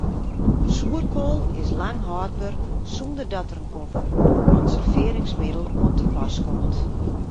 Soerkoal is lang hâldber sonder dat der in konservearringsmiddel oan te pas komt.